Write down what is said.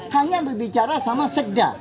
hanya bicara sama sekda